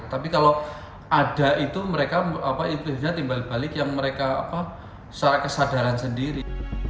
tapi kalau ada itu mereka itu tiba tiba balik yang mereka secara kesadaran sendiri